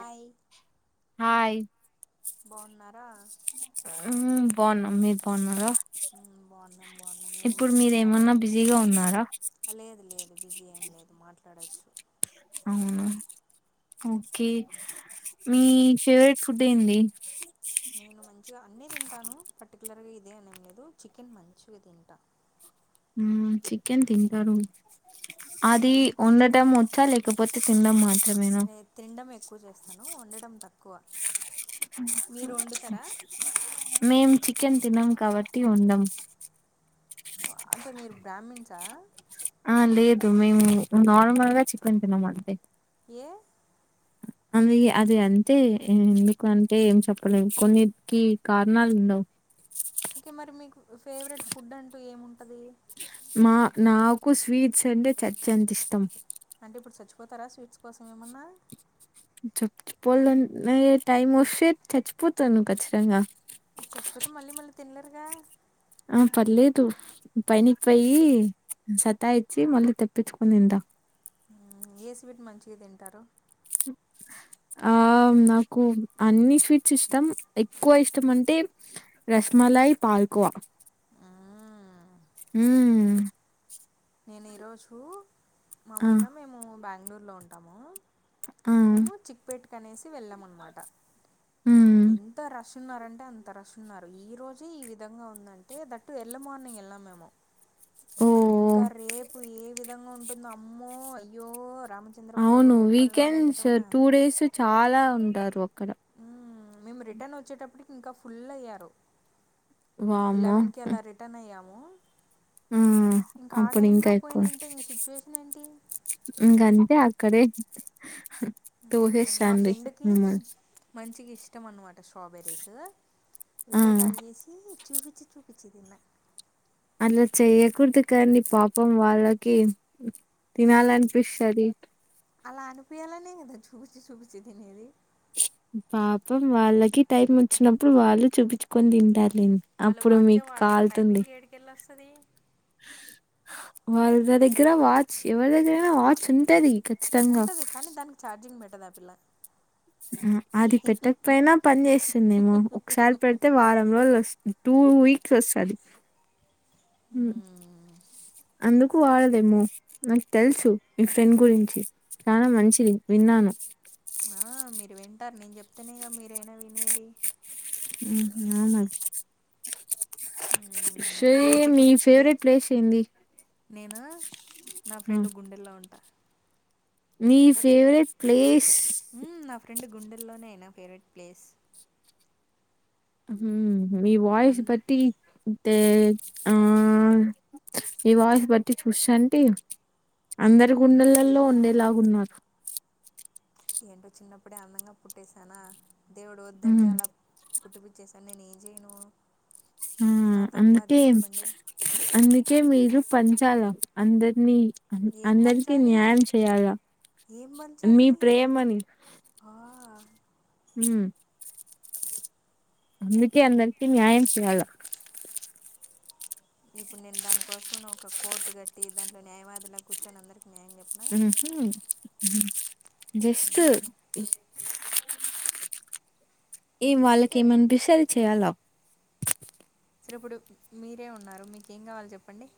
Hi hi బాన్నారా మ్మ్ బాన్నం మీరు బాన్నారా మ్మ్ బాన్నాం బాన్నాం ఏం జేస్తున్నారు మీరేమన్నా బిజీగా ఉన్నారా ఆ లేదు లేదు బీసీ ఏంలేదు మాట్లాడచ్చు అవును ఓకే మీ ఫేవరెట్ ఫుడ్ ఏంది ఇగ అన్నీ తింటాను పర్టికులర్గా ఇదే అనేం లేదు చికెన్ మంచిగా తింటా మ్మ్ చికెన్ తింటాను అది మీకు వాడటం వచ్చు లే ఇకపోతే తినడం మాత్రమేనా నే త్నిడం ఎక్కువ చేస్తాను వండట తక్కువ మీరు వండుతారా మేమ్ చి కెన్ తినం కాబట్టి ఉండం ఆ అంటే మీరు బ్రాహ్మీణసా ఆ లేదు మేము నార్మల్గా చికెన్ తినము అంతే ఏ అంది అది అంతే ఎందుకు అంటే ఏం చెప్పలేము కొన్నికి కారణాలు ఉండవు ఫెవరెట్ ఫుడ్ అంటూ ఏముంటది మా నాకు స్వీట్స్ అంటే చచ్చంత ఇష్టం అంటిప్పుడు చచ్చిపోతారా స్వీట్స్ కోసం ఏమన్నా చుచ్చు పోల్ద్ ఆ నే టైమ్ వస్తే చచ్చిపోతాను ఖచ్చితంగా అయితే చచ్చిపోతే మళ్ళీ మళ్ళీ తిన్లేరుగా ఆ పర్లేదు పైన్కిపోయి సాతాయిచి మళ్ళీ తీపించుకునిందా ఏ స్వీట్ మంచిగా తింటారు ఆ నాకు అన్ని స్వీట్స్ ఇష్టం ఎక్కువ ఇష్టం అంటే రస్ మలై పాల్కోవ మ్మ్ నేన్ ఈరోజు ఆ మామూలుగా మేము బెంగళూరులో ఉంటాము ఆ మేము చిక్పేట్ కనేసి వెళ్ళాం అన్నమాట మ్మ్ ఎంత రష్ ఉన్నారంటే అంత రష్ ఉన్నారు ఈ రోజే ఈ విధంగా ఉందంటే దట్టూ ఎర్లీ మార్నింగ్ ఏళ్ళ మేము ఓ ఇంకా రేపు ఏ విధంగా ఉంటుందో అమ్మో అయ్యో రామచంద్ర ప్రభు అవును ఏడుకొండలవాడ వీకెండ్స్ వెంకటరమణ టూ డేస్ చాలా ఉంటారు ఒక్కటి మ్మ్ మేము రిటర్న్ ఓచ్చేటప్పటికి ఇంకా ఫుల్ అయ్యారు లీవెన్కి ఎలా రిటర్న్ అయ్యాం మ్మ్ ఆ అప్పుడు ఇంకా టైంలో ఎక్కువ పోయినంటే ఇంక సిచ్యువేషన్ ఏంటి ఇంక అంతే అక్కడే తు హేష్ మా రండ్రి మ్మ్ అని టం అనమాట స్ట్రాబెర్రీసు ఆ విడోకాలి జేసి చూపిచి చూపించిందిన్నాక్ అట్లా చేయ్యకూడదు కానీ పాపం వాళ్ళకి తినాలనిపిస్తది అలా అనిపోయాలనే గదా చూచి చూచి దినేది పాపం వాళ్ళకి టైం ఒచ్చినప్పుడు వాళ్ళు చూపిచ్చుకొన్ దింటార్ డిన్ వాళ్ళు అప్పుడ్ వాచే మీక్ వాడరు కాల్తుంది టైమింగ్ ఏడుకెళ్ళి వస్తుంది వాళ్ళ దగ్గర వాచ్చ్ ఎవర్ దగ్గరైనా వాచ్చ్ ఉంటది ఖచ్చితంగా ఉంటది కాని దానిక్ ఛార్జింగ్ పెట్టద్ ఆ పిల్ల అ అది పెట్టక్పోయిన పన్ చేస్తుందేమో ఒక్సార్ పెడ్తే వారం రోజుల్ ఒస్తుంది టూ వీక్స్ ఒస్తది ఉ అందుకు వాడదేమో నాక్ తెల్సు మి ఫ్రెండ్ గురించి చాన మంచిది విన్నా అన్ ఆ మీరు వింటార్ నేన్ చెప్తెనేగా మీరైనా వినేది ఊహు మ్మ్, షీ మంచిగా మీ ఫుడ్ ఫేవరెట్ ప్లేస్ ఏంది నేను నా ఆ. ఫ్రెండ్ గుండెల్లో ఉంట మీ ఫేవరెట్ ప్లే ఊ నా ఫ్రెండ్ గుండెల్లోనే నా ఫేవరెట్ ప్లేస్ ఉహు మి వాయిస్ అన్ బట్టి టే ఆ ఇ వాయిస్ బట్టి చూశాంటి అందరు మ్మ్, గుండెలల్లో ఉండేలాగ్ ఉన్నార్ ఏంటొ చిన్నప్పుడె అందంగ పుట్టేసాన దేవుడు ఒద్దంటే మ్మ్ అల పుట్టిపిచ్చేసాడ్ నేన్ ఏం చైను ఊ అందుకే అందుక్ కె మీరు పంచాల అందర్ని అన్ ఏం అందర్కి పంచాలి న్యాయం చెయాల ఏం మి పంచాలి ప్రేమని ఆ, ఉమ్ అందుకే అందర్కి న్యాయం చేయాల ఇప్పుడ్ నేన్ దాన్ కోసం అని ఒక కోర్టు కట్టి దాంట్లొ న్యాయవాదిల కూర్చొని అందరకి ఉహు జిస్కు మ్మ్. ఇగ వాళ్ళక్ జస్ట్ ఏం అన్పిస్తె అది చెయాల సరిప్పుడు మీరే ఉన్నారు మీకేం కావాల్ చెప్పండి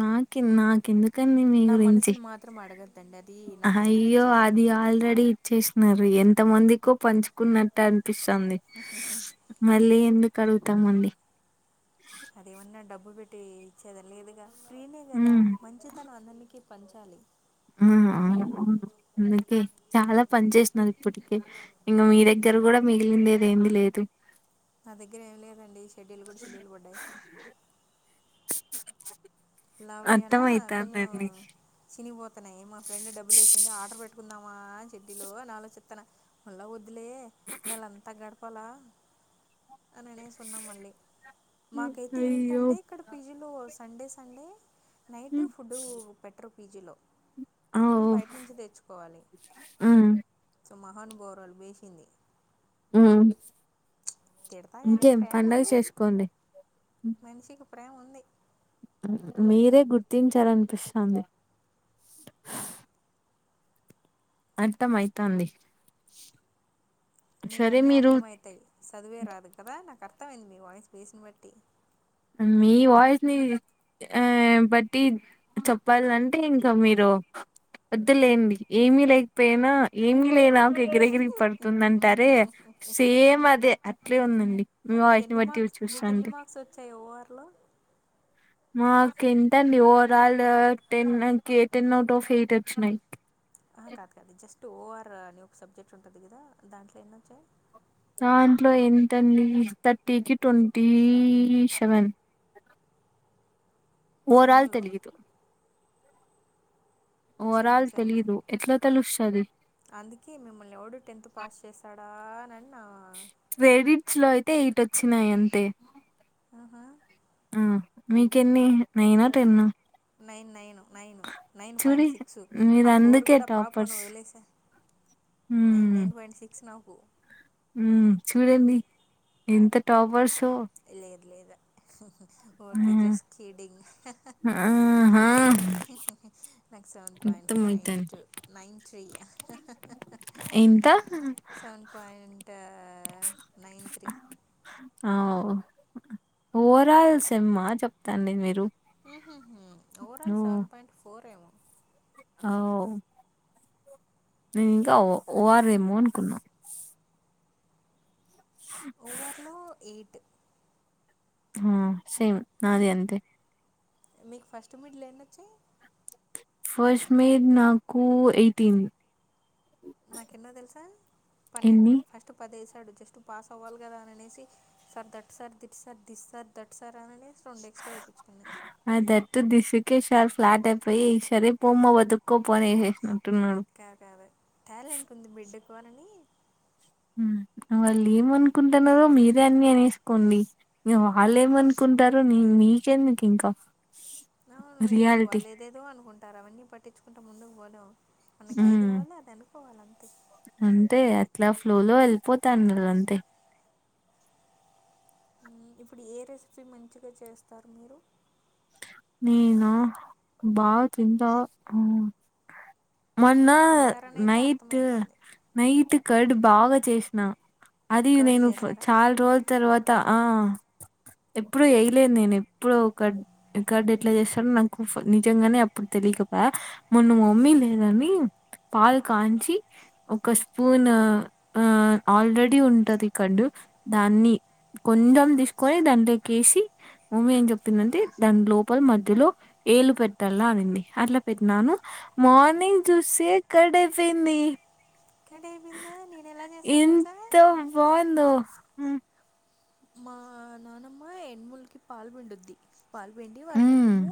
నాకి నాకెందు నా మనసున్ మాత్రం అడగద్దండి అదీ నా ఫ్రెండుక్ ఇచ్చేసా నరి ఎంత మందికో పంచుకున్నట్ట్ అన్పిస్తుంది మళ్ళీ ఎందుక్ కడ్గుతమండి అదేమన్న డబ్బు పెట్టీ ఇచ్చేద లేదుగా ఫ్రీనే గదా హ్మ్. మంచితనం అందరికి పంచాలి ఊ ఔను అందుకె చాలా పంచేశ్నర్ ఇప్పటికే ఇంగ మీ దగ్గర్ రు గుడ మిగిలిందేది ఏంది లేదు నా దగ్గర ఏం లేదండి [unintelligible] గూడ చిల్లుల్ వడ్డాయ్ లావయ్యనా కొంచం అర్థమైతాందండి. సినిగ్పో తున్నయ్ మ ఫ్రెండ్ డబ్బుల్ ఏశింది ఆడర్ పెట్టుకుందామా షెడ్డిలు అన్ ఆలొచ్చిత్తున్న మల్ల ద్దులే నెలంత గడ్పలా అననేసున్న మళ్ళీ హ్మ్. మాకైతె అయ్యో! ఏంటంటె ఇక్కడ పీజీలో సండేస్ నైటు హ్మ్. ఫుడ్డూ పెట్రు పీజిలొ ఆ! మేమ్ బైట్నుంచి తెచ్చుకోవాలి ఉమ్మ్ సో మహానుభావురాలు వేశింది ఉమ్మ్ తిడతా కానీ ఇంకేం ప్రేమ పండగ ఉంది చేస్కోండి మనిషికి ప్రేమ ఉంది మ్ మీరె గుర్తించారన్పిస్థాంది అర్థమైతంది మీకన్నీ అర్థం ఐతయ్ సదువే రాదు కదా నాక్ అర్థమైంద్ మి వాయిస్ బేస్ను బట్టి మీ వాయిస్ ని ఆ బట్టి చెప్పాల్నంటె ఇంక మిరు ఒ ఒద్దులేండి ఏమి లేక్పోయినా ఏమ్లేనాక్ ఎగిరెగిరి పడుతుందంటారే సేమ్ అదే అట్లే ఉందండి మీ వాయిస్ ని మీకెన్ని బట్టి మార్క్స్ మీకేన్ని చూస్తాంటే మార్క్స్ వచ్చాయి ఓఆర్ లో మాకు ఎంతండి ఓవరాల్ టెన్ కి ఎయిట్టీన్ అవుట్ ఆఫ్ ఎయిట్ వచ్చినాయి ఆ కాదు కాదు జస్ట్ ఓ ఆర్ అని ఒక సబ్జెక్ట్ ఉంటది కదా దాంట్లో ఎన్నొచ్చాయి దాంట్లో ఎంతండి థర్టీకిి ట్వంటీ సెవెన్ ఓవరాల్ సెమ్లో తెలియదు సేము సేము తెలీదు ఎట్లా తెలుస్తది అందుకె మిమ్మల్ని ఎవడు టెన్త్ పాస్ చేసాడు రానన్న క్రెడిట్స్ లో అయితే ఎయిట్ వచ్చినాయి అంతే ఆహా ఆ మీకెన్ని నైనా టెన్న నైన్ నైను నైను నైన్ చూడి పాయింట్ సిక్స్ ఆ ఫోర్ మీరందుకే కూడా పాపని టాపర్స్ వదిలేసా nine nine point six now ఊ చూడండి ఎంత టాపర్సో లేదా ఆ! ఉరికే జస్ట్ కిడ్డింగ్ ఆహా నాక్ సెవెన్ పాయింట్ నైన్ అర్థమైతాంది టూ నైన్ త్రీ ఎంత సెవెన్ పాయింట్ నైన్ త్రీ అవ్ ఓవరాల్ సెమ్ ఆ చెప్తాండి మీరు ఉహు హూ overall seven point four ఏమో అ ఓ నేను ఇంకా ఓ ఓఆర్ ఎమో అనుకున్నా ఓవర్ లో ఎయిట్ హా సేమ్ నాది అంతే మీకు ఫస్ట్ మిడ్లో ఎన్నోచయ్ ఫస్ట్ మీర్ నాకు ఎయిటీన్ నాకు ఎన్నో తెలుసా పన్నెండు ఎన్ని ఫస్ట్ పదేస్ తడు జస్ట్ పాస్ అవ్వాలి కదా అని అనేసి sir that sir దిట్ sir this sir that sir అని అనేసి రెండు ఎక్స్ట్రా వేయించుకున్నాను అ that the this okay sir flat అయిపోయి సరే పోమ వోతుకో పో అని ఎస్సిండ్ కాద వే టాలెంట్ ఉంది బిడ్డకు అని ఉ వాళ్ళు ఏమనుకుంటన్నారో మీరే అన్ని అనేసుకోండి ఇగ వాళ్ళు ఏమనుకుంటారో మ్ మీకేందుకు ఇంకా అవును ఇప్పుడు వాళ్ళు ఏదేదో అనుకుంటారు అవన్నీ పట్టించుకుంటే ముందుకు పోలెం మనకి ఏది హ్మ్. కావాలో అది అనుకోవాల అంతే ఇట్లా ఫ్లో లో వెళ్ళిపోతాన్నారు అంతే ఊ ఇప్పుడు ఏ రెసిపీ మంచిగా చేస్తారు మీరు నేను బాగతింత అవు మొన్న తింటారని అయితే నైట్ అర్థమవుతుంది నైట్ కార్డ్ బాగా చేసిన అది కర్డ్ నేను చేశారా చాల రో తర్వాత ఆ ఎప్పుడుూ వేయలేదు నేను ఎప్పుడో ఒకట్ ఎకార్డ్ ఎట్ల చేస్తారో నాకు నిజంగానే అప్పుడు తెలియక పాయె మొన్న మమ్మీ మ్మ్. లేదని పాల్ కాంచి ఒక స్పూన్ ఆ ఆల్రెడీ ఉంటది కం డు దాన్ని కొంచెం తీసుకొని దాంట్లోకెసి మమ్మీ ఏం చెప్తుంద్ అంటే దాని లోపల మధ్యలో ఏలు పెట్టలా అనింది అట్లా పెట్టినాను మార్నింగ్ చూసి సే కార్డ్ ఐపోయింది కర్డ్ అయిపోయిందా నేను ఎలా చేస్తా తెలుసా ఎంత బాగుందో ఉ మా నానమ్మ ఎనుముూలుకి పాలు పిండుద్ది పాలు పిండి మ్మ్ వాటిని మేము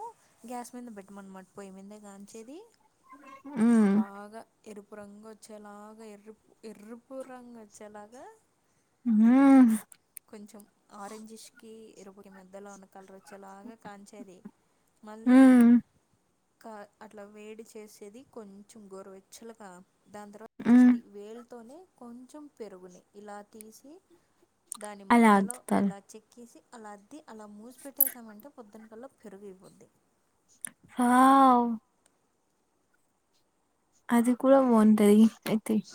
గ్యాస్ మీద పెట్టమన్నమాట్ పొయ్యి మిందే గాంచేది మ్మ్ బాగా ఎరుపు రంగు ఓచ్చేలాగా ఎర్రుప్ ఎర్రుపు రంగు ఓచ్చేలాగా ఊమ్ కొంచెం ఆరెంజెష్ కి ఇరువ్కి మధ్యలో ఉన్న కలర్ చలాగా కాంచేది మళ్ళీ మ్మ్ కాద్ అట్లా వేడి చేసేది కొంచెం గోర్వెచ్చల్గా దాన్ తర్వాత మ్మ్ జస్ట్ వేల్తోనే కొంచెం పెరుగుని ఇలా తీసి దాని అలా మధ్యలో అద్దుతారు. ఇలా చెక్ కేసి అలా అద్ది అలా మూస్పెట్టేసామంటే పొద్దున్ కల్లా పెరుగైపోద్ది హవ్ అది కూడా బోటది ఐ థింక్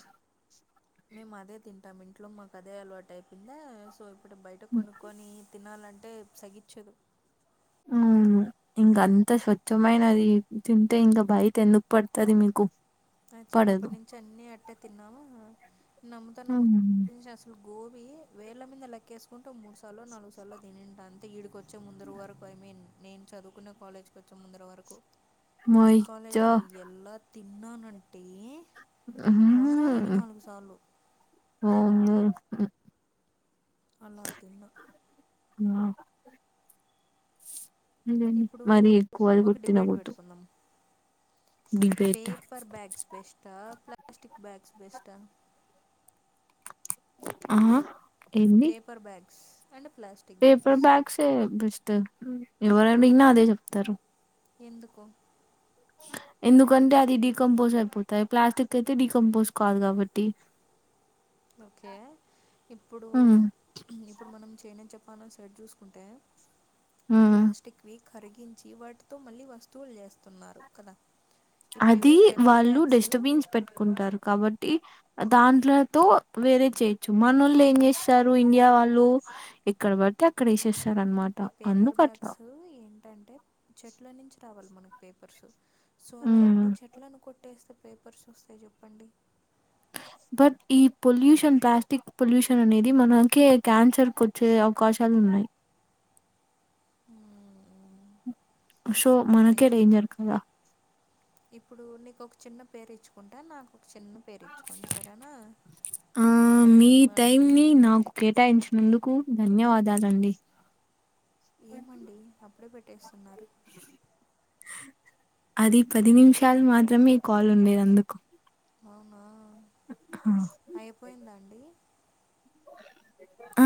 మేమ్ అదే తింటాం ఇంట్లో మాక్ అదే అలవాటు అయిపోయిందా సో ఇప్పుడు బైట కొనుక్కొని తినాలంటే సాహించాదు ఊమ్ ఇంక అంత స్వచ్ఛమైనది తింటే ఇంకా బైట ఎందుక్ పడ్తది మీకు ఆ పడదు. చిన్నప్పటి నుంచి అన్ని అట్టే తిన్నాము నమ్ముతా నమ్ము హ్మ్. అస్లు వేళ్ల మీద లెక్కేసుకుంటు మూడ్ సార్లో నాల్గు సార్లో తిన్నడి అంతే ఇడిక్ వచ్చే ముందరు వరకు ఐ మీన్ నేన్ చ చదుకున్న కాలేజ్కి ఓచ్చే ముందర వరకు ఈ మయిచ్చ కాలేజ్ లో ఎలా తిన్నానంటే అన్ని వారానికి యలే నాలుగు సార్లు ఆ అవన్నీ అలాతిన్న ఆ ఇప్పుడు మరి కోడి ఒక గూట్టిన డిబేట్ గుట్టు పెట్టుకుందాం పేపర్ బ్యాగ్స్ బెస్టా ప్లాస్టిక్ బ్యాగ్స్ బెస్టా ఆ ఏంది? పేపర్ బ్యాగ్ పేపర్ బ్యాగ్స్ సే బెస్ట్ ఎవర్ అడిగిన అదే చెప్తారు ఎందుకో ఎందుకంటే అది డీకంపోజ్ అయిపోతాయి ప్లాస్టిక్ అయితే డికంపోజ్ కాదు కాబట్టి ఓకే ఇప్పుడు హ్మ్. ఇప్పుడు మనం చేయ్నాన్ చెప్ మనం సర్ట్ చూస్కుంటే హ్మ్. ప్లాస్టిక్ వి కరిగించి వాటితో మళ్ళీ వస్తువులు చేస్తున్నారు కదా ఇప్పుడు ఇవే అది పేపర్ వాళ్ళు బ్యాగ్స్ డెస్ట్బిన్స్ పెట్కుంటార్ కాబట్టి దాంట్లతో వేరే చేయొచ్చు మనోళ్లు ఏం చేస్తారు ఇండియా వాళ్ళు ఇక్కడ చెత్త అక్కడ్ ఏషెస్ ఈ పేపర్ బ్యాగ్స్ ఏంటంటే చెట్ల నుంచి రావాలి మన్కు పేపర్స్ సో అలా మ్మ్. ఎన్ని చెట్లను కొట్టేస్తే పేపర్స్ ఓస్తాయి చెప్పండి బట్ ఈ పొల్యూషన్ ప్లాస్టిక్ పొల్యూషన్ అనేది మనకే క్యాన్సర్ కు ఓచ్చే అవ్కాశాల్ ఉన్నయి నయి ఊమ్ సో మనకే నిజమే. డేంజర్ కదా ఇప్పుడు నీకొక చిన్న పేర్ ఇచ్చుకుంట నాక్ ఒక్ చిన్న పేర్ ఇచ్చుకోండి సరేనా ఆ, నేన్ మిమ్మల్ని ముందుకు ధన్యవాదాలండి ఏమండి అప్పుడే పెట్టేస్తున్నారు అది పది నిమ్షాల్ మాత్రమే కాల్ ఉంది అందుకు అవ్నా ఆ. అయిపోయిందా అండి ఆ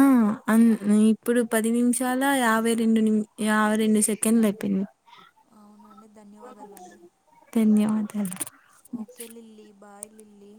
అన్ ఇప్పుడు పది నిమిషాల యాభై రెండు నిమ్ యాభై రెండు సెకండ్లయిపోయింది అవునండి ధన్యవాదాలండి ధన్యవాదాలు. Okay Lilly bye lily